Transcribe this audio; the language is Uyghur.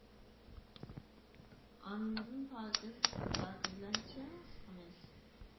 ئاندىن پاكىز داكا بىلەن چىڭ سىقىمىز.